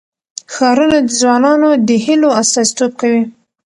ښارونه د ځوانانو د هیلو استازیتوب کوي.